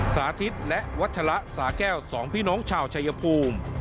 สาธิตและวัชละสาแก้ว๒พี่น้องชาวชายภูมิ